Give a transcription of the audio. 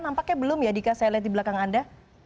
nampaknya belum ya dika saya lihat di belakang anda